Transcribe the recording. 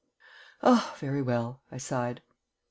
"Oh, very well," I sighed.